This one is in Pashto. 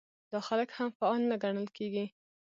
دا خلک هم فعال نه ګڼل کېږي.